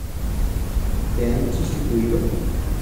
¿ Te han sustituido?